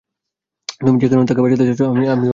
তুমি যে কারণে তাকে বাঁচাতে যাচ্ছো, আমিও সেই কারণেই এসেছি।